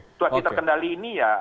suatu terkendali ini ya